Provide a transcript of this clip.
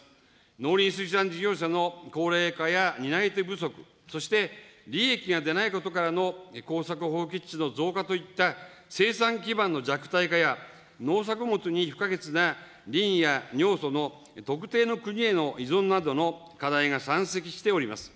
農林水産事業者の高齢化や担い手不足、そして利益が出ないことからの耕作放棄地の増加といった生産基盤の弱体化や、農作物に不可欠なリンや尿素の特定の国への依存などの課題が山積しております。